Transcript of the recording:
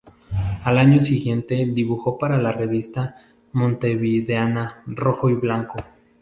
Al año siguiente dibujó para la revista montevideana "Rojo y Blanco".